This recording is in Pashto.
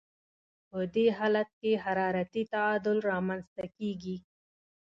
په دې حالت کې حرارتي تعادل رامنځته کیږي.